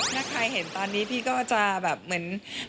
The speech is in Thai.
ถ้าใครเห็นตอนนี้พี่ก็จะแบบเหมือน